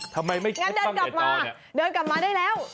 ทำไมไม่เคล็ดตั้งเนี่ยจอเนี่ยงั้นเดินกลับมาเดินกลับมาได้แล้ว